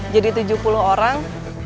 jadi tujuh puluh orang